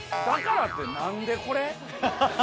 だからってなんでこれ？